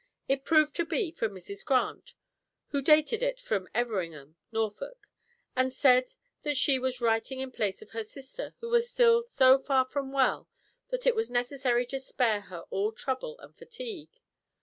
It proved to be from Mrs. Grant, who dated it from Everingham, Norfolk, and said that she was writing in place of her sister, who was still so far from well that it was necessary to spare her all trouble and fatigue.